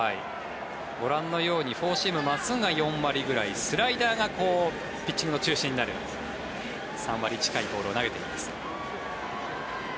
ご覧のようにフォーシーム、真っすぐが４割ぐらいスライダーがピッチングの中心になる３割近いボールを投げています。